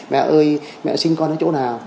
mẹ ơi mẹ sinh con ở chỗ nào